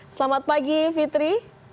selamat pagi fitri